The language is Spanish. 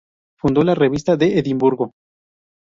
Fundó la "Revista de Edimburgo".